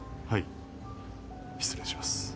はい失礼します。